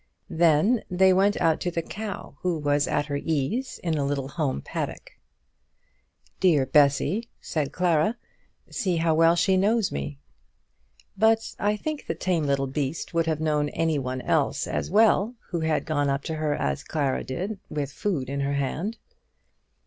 Then they went out to the cow, who was at her ease in a little home paddock. "Dear Bessy," said Clara. "See how well she knows me." But I think the tame little beast would have known any one else as well who had gone up to her as Clara did, with food in her hand.